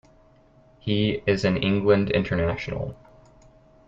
He is an England international.